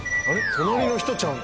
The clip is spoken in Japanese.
隣の人ちゃうん？